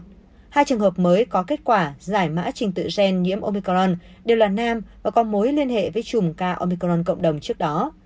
trong hai trường hợp mới có kết quả giải mã trình tự gen nhiễm omicron đều là nam và có mối liên hệ với chùm ca omicron cộng đồng trước đó